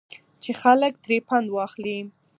چې خلک ترې پند واخلي.